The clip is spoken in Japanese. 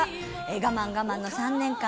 我慢、我慢の３年間。